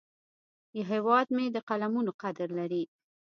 هیواد مې د قلمونو قدر لري